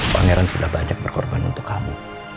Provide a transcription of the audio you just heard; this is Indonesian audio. pangeran sudah banyak berkorban untuk kamu